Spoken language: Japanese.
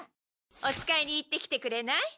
おつかいに行ってきてくれない？